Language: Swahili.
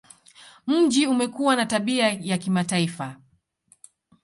Mji umekuwa na tabia ya kimataifa.